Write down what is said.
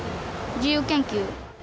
自由研究。